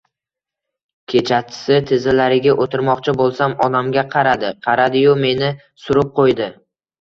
Kechasi tizzalariga o'tirmoqchi bo'lsam, onamga qaradi, qaradiyu, meni surib ko'ydi.